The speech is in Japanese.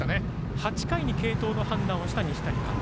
８回の継投の判断をした西谷監督。